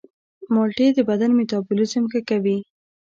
مالټې د بدن میتابولیزم ښه کوي.